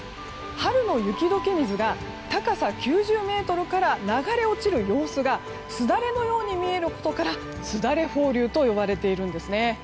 春の雪解け水が、高さ９０ｍから流れ落ちる様子がすだれのように見えることからすだれ放流と呼ばれているんですね。